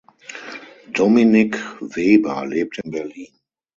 Dominik Weber lebt in Berlin.